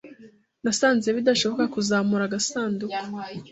Nasanze bidashoboka kuzamura agasanduku.